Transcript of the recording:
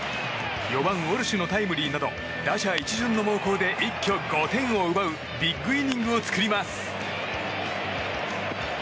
４番、ウォルシュのタイムリーなど打者一巡の猛攻で一挙５点を奪うビッグイニングを作ります。